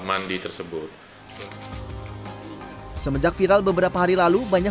apakah hal ini ada di dalam konten